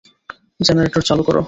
Generator চালু করো।